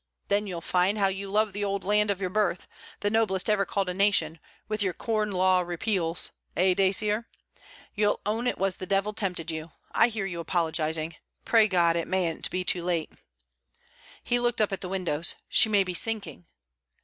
Then you'll find how you love the old land of your birth the noblest ever called a nation! with your Corn Law Repeals! eh, Dacier? You 'll own it was the devil tempted you. I hear you apologizing. Pray God, it mayn't be too late!' He looked up at the windows. 'She may be sinking!'